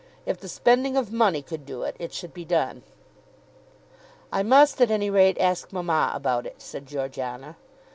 If the spending of money could do it, it should be done. "I must at any rate ask mamma about it," said Georgiana.